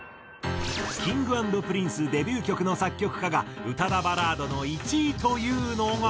Ｋｉｎｇ＆Ｐｒｉｎｃｅデビュー曲の作曲家が宇多田バラードの１位というのが。